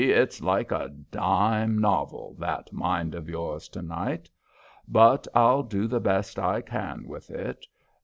"It's like a dime novel, that mind of yours to night. But I'll do the best I can with it.